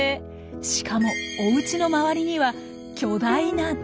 しかもおうちの周りには巨大なダムまで。